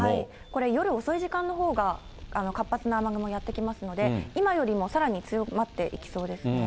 これ、夜遅い時間のほうが、活発な雨雲やって来ますので、今よりもさらに強まっていきそうですね。